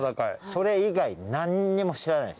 それ以外なんにも知らないです。